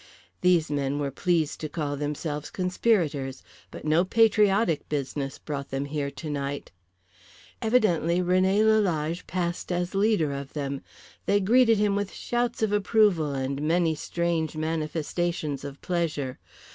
These men were pleased to call themselves conspirators. But no patriotic business brought them here tonight. Evidently René Lalage passed as leader of them. They greeted him with shouts of approval and many strange manifestations of pleasure.